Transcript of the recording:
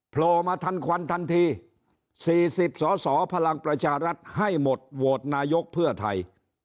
โผล่มาทันควันทันที๔๐สสพลังประชารัฐให้หมดโหวตนายกเพื่อไทย